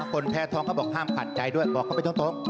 คนแพ้ท้องเขาบอกห้ามขัดใจด้วยบอกเขาไปตรง